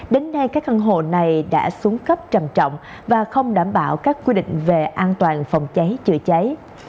đến nay các căn hộ này đã xuống cấp trầm trọng và không đảm bảo các quy định về an toàn phòng cháy chữa cháy